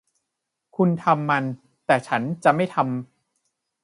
คุณทำมัน แต่ฉันจะไม่ทำ